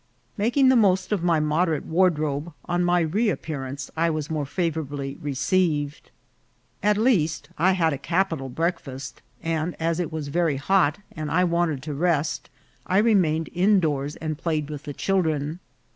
Making the most of my moderate wardrobe, on my reappearance I was more favourably received. At least I had a capital breakfast ; and as it was very hot, and I wanted to rest, I remained in doors and played with the children.